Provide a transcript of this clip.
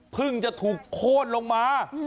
เพิ่งจะถูกโคตรลงมา